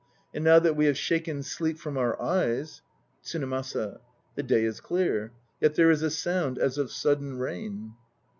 And now that we have shaken sleep from our eyes ... TSUNEMASA. The sky is clear, yet there is a sound as of sudden rain.